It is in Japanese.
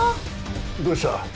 どうした？